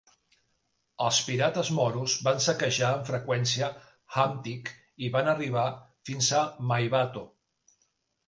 Els pirates moros van saquejar amb freqüència Hamtic i van arribar fins a Maybato.